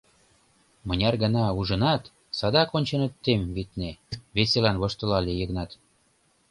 — Мыняр гана ужынат — садак ончен от тем, витне, — веселан воштылале Йыгнат.